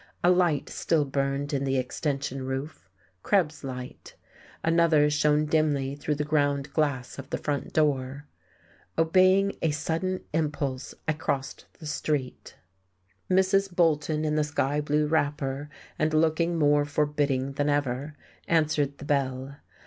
A light still burned in the extension roof Krebs's light; another shone dimly through the ground glass of the front door. Obeying a sudden impulse, I crossed the street. Mrs. Bolton, in the sky blue wrapper, and looking more forbidding than ever, answered the bell.